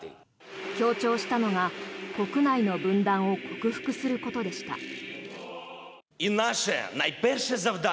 強調したのが国内の分断を克服することでした。